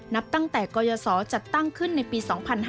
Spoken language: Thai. นับตั้งแต่กรยศจัดตั้งขึ้นในปี๒๕๕๙